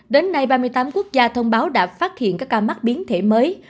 đến nay ba mươi tám quốc gia thông báo đã phát hiện các ca mắc biến thể mới